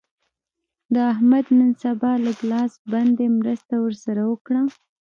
د احمد نن سبا لږ لاس بند دی؛ مرسته ور سره وکړه.